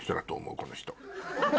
この人。